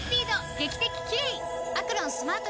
劇的キレイ！